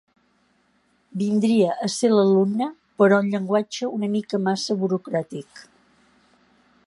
Vindria a ser l'alumne però en llenguatge una mica massa burocràtic.